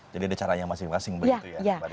jadi ada caranya masing masing begitu ya